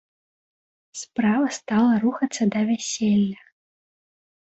Справа стала рухацца да вяселля.